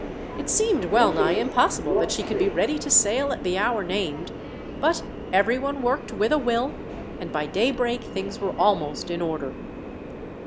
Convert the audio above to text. It seemed well nigh impossible that she could be ready to sail at the hour named, but everyone worked with a will, and by daybreak things were almost in order.